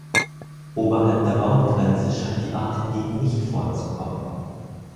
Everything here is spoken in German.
Oberhalb der Baumgrenze scheint die Art hingegen nicht vorzukommen.